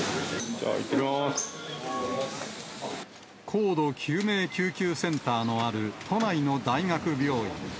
高度救命救急センターのある都内の大学病院。